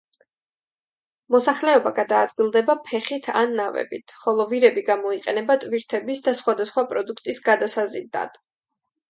მოსახლეობა გადაადგილდება ფეხით ან ნავებით, ხოლო ვირები გამოიყენება ტვირთების და სხვადასხვა პროდუქტის გადასაზიდად.